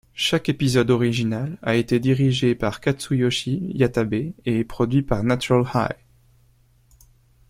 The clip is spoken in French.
Chaque épisode original a été dirigé par Katsuyoshi Yatabe et produit par Natural High.